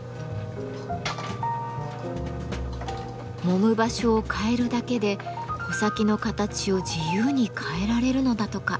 もむ場所を変えるだけで穂先の形を自由に変えられるのだとか。